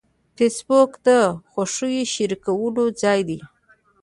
فېسبوک د خوښیو شریکولو ځای دی